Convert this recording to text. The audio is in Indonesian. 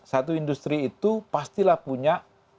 satu industri itu pastilah punya